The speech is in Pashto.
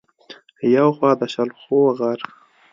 يو خوا د شلخو غر